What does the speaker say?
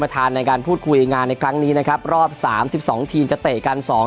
ในการพูดคุยงานในครั้งนี้นะครับรอบสามสิบสองทีมจะเตะกันสอง